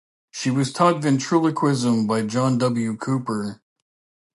She was taught ventriloquism by John W. Cooper.